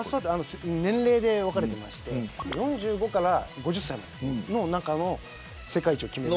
年齢で分かれてまして４６歳から５０歳までの中の世界一を決める。